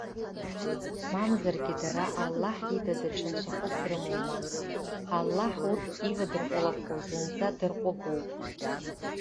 Мамзаргьы дара, Аллаҳ ида даҽа нцәахәык дрымоума? Аллаҳ, урҭ ивадырҟәылақәо зынӡа дырҟәыгоуп.